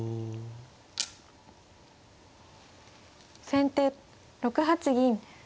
先手６八銀。